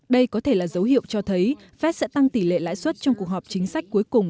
đây có thể là dấu hiệu cho thấy fed sẽ tăng tỷ lệ lãi suất trong cuộc họp chính sách cuối cùng